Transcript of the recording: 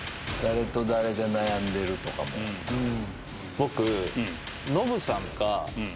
僕。